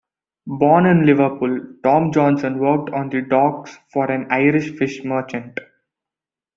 Born in Liverpool, Tom Johnson worked on the docks for an Irish fish merchant.